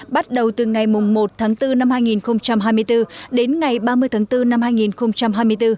bắt đầu từ ngày một tháng bốn năm hai nghìn hai mươi bốn đến ngày ba mươi tháng bốn năm hai nghìn hai mươi bốn